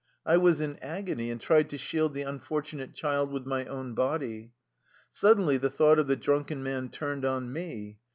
I was in agony, and tried to shield the unfortunate child with my own body. Suddenly the thought of the drunken man turned on me.